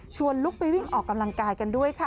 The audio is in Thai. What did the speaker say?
ลุกไปวิ่งออกกำลังกายกันด้วยค่ะ